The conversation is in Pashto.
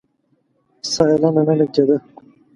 ساه يې لنډه لنډه کېده.